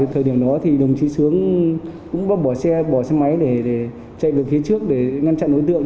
thời điểm đó thì đồng chí sướng cũng bắt bỏ xe máy để chạy được phía trước để ngăn chặn đối tượng